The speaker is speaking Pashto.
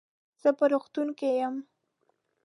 زه په روغتون کې يم.